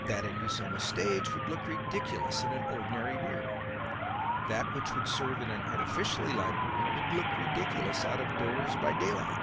That in use on the stage would look ridiculous in an ordinary room; that which would serve in an artificially lighted room would look ridiculous out of doors by daylight."